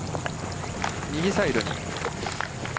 右サイドに。